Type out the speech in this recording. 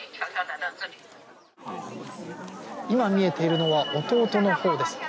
今、見えているのは弟のほうです。